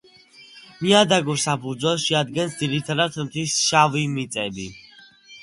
ნიადაგურ საფუძველს შეადგენს ძირითადად მთის შავმიწები.